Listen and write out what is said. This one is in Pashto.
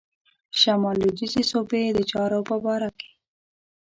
شمال لوېدیځي صوبې د چارو په باره کې.